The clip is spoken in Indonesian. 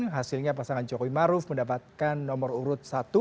hasilnya pasangan jokowi maruf mendapatkan nomor urut satu